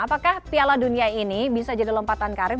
apakah piala dunia ini bisa jadi lompatan karir